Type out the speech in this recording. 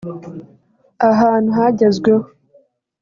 ahantu hagezweho